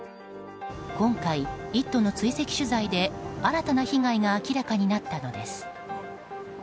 今回、「イット！」の追跡取材で新たな被害が明らかになったのです。